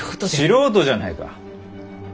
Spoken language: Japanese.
素人じゃないか。